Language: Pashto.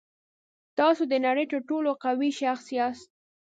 تاسو د نړۍ تر ټولو قوي شخص یاست.